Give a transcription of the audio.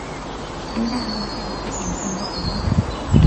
點解阿女你會決定退學嚟呢度